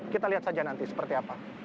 kita lihat saja nanti seperti apa